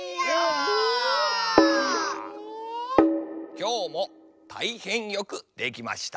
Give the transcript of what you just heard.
きょうもたいへんよくできました。